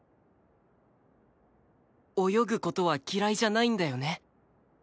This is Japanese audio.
泳ぐ事は嫌いじゃないんだよね？